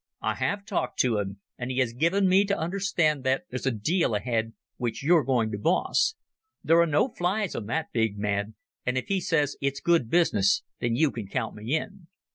"I have talked to him, and he has given me to understand that there's a deal ahead which you're going to boss. There are no flies on that big man, and if he says it's good business then you can count me in."